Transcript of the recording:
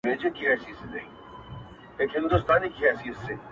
هري خوا ته يې سكروټي غورځولي٫